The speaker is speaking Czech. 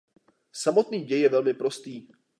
Samotný děj je velmi prostý.